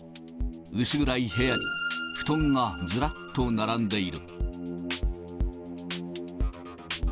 薄暗い部屋で、布団がずらっと並んでいる。